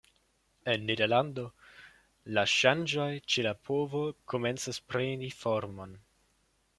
En Nederlando, la ŝanĝoj ĉe la povo komencis preni formon.